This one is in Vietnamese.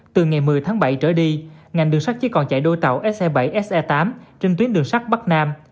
từ ngày một mươi tháng bảy trở đi ngành đường sắt chỉ còn chạy đôi tàu se bảy se tám trên tuyến đường sắt bắc nam